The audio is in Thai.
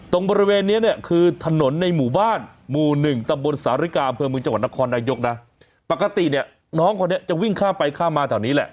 ตรงบริเวณนี้เนี่ยคือถนนในหมู่บ้านหมู่หนึ่งตำบลสาริกาอำเภอเมืองจังหวัดนครนายกนะปกติเนี่ยน้องคนนี้จะวิ่งข้ามไปข้ามมาแถวนี้แหละ